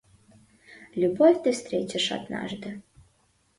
Любовь ты встретишь однажды.